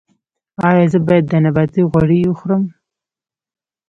ایا زه باید د نباتي غوړي وخورم؟